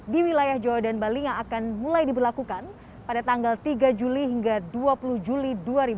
di wilayah jawa dan bali yang akan mulai diberlakukan pada tanggal tiga juli hingga dua puluh juli dua ribu dua puluh